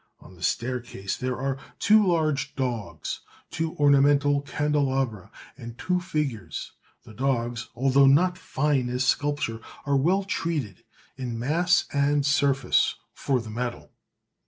On the staircase there are two large dogs, two ornamental candelabra, and two figures; the dogs, although not fine as sculpture, are well treated, in mass and surface, for the metal.